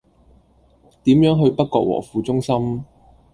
點樣去北角和富中心